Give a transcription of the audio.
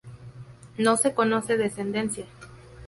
No se conoce descendencia.